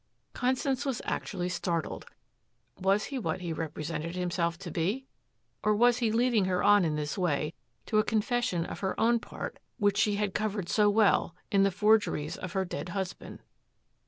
Constance was actually startled. Was he what he represented himself to be? Or was he leading her on in this way to a confession of her own part, which she had covered so well, in the forgeries of her dead husband?